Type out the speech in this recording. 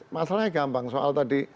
masalahnya gampang soal tadi